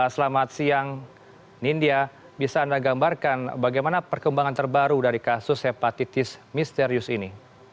selamat siang nindya bisa anda gambarkan bagaimana perkembangan terbaru dari kasus hepatitis misterius ini